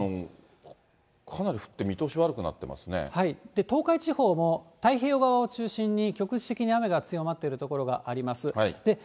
かなり降って、東海地方も、太平洋側を中心に、局地的に雨が強まっている所があります。